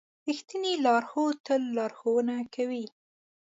رښتینی لارښود تل لارښوونه کوي.